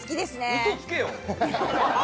うそつけよ！